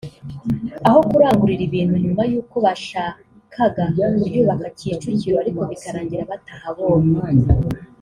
aho kurangurira ibintu nyuma y’uko bashakaga kuryubaka Kicukiro ariko bikarangira batahabonye